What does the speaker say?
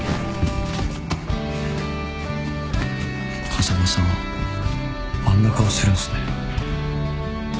風間さんあんな顔するんすね。